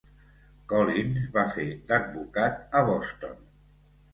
Collins va fer d'advocat a Boston.